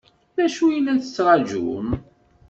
D acu ay la tettṛajum?